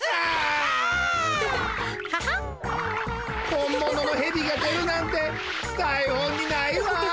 本もののヘビが出るなんてだい本にないわ！